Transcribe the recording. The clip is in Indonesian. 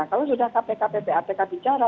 kalau sudah kpk ppatk bicara